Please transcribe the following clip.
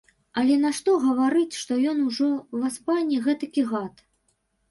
Але нашто гаварыць, што ён ужо, васпане, гэтакі гад.